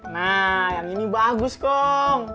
nah yang ini bagus kok